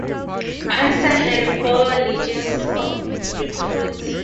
Pansa had four legions of recruits.